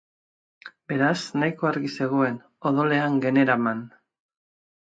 Beraz, nahiko argi zegoen, odolean generaman.